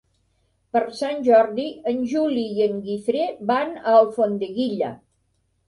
Per Sant Jordi en Juli i en Guifré van a Alfondeguilla.